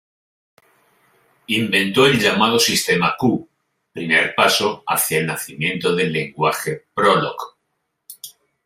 Inventó el llamado sistema Q, primer paso hacia el nacimiento del lenguaje Prolog.